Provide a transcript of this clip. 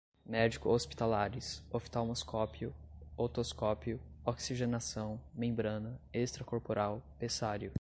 médico-hospitalares, oftalmoscópio, otoscópio, oxigenação, membrana, extracorporal, pessário